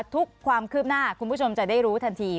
ทุกความคืบหน้าคุณผู้ชมจะได้รู้ทันที